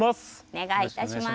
お願いいたします。